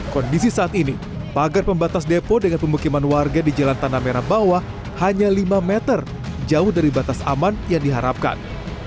kondisi saat ini pagar pembatas depo dengan pemukiman warga di jalan tanah merah bawah hanya lima meter jauh dari batas aman yang diharapkan